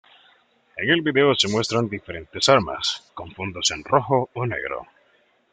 En el video se muestran diferentes armas, con fondos en rojo o negro.